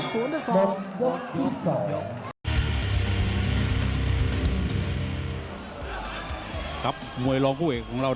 ติดตามยังน้อยกว่า